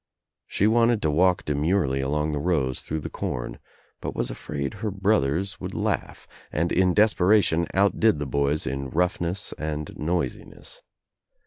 She wanted to Walk demurely along the through the corn but was afraid her brothers 150 THE TRIUMPH OF THE EGG would laugh and in desperation outdid the boys in roughness and noisiness.